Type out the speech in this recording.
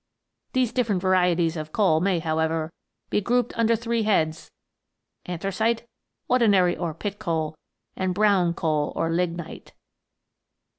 These diffe rent varieties of coal may, howevei*, be grouped under three heads : anthracite, ordinary or pit coal, and brown coal or lignite.